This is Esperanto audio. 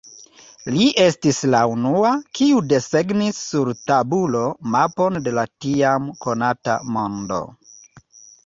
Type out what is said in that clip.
Li estis la unua, kiu desegnis sur tabulo mapon de la tiam konata mondo.